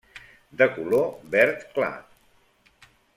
De color verd clar.